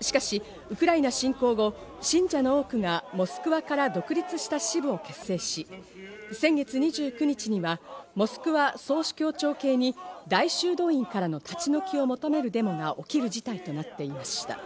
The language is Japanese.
しかしウクライナ侵攻後、信者の多くがモスクワから独立した支部を結成し、先月２９日にはモスクワ総主教庁系に大修道院からの立ち退きを求めるデモが起きる事態となっていました。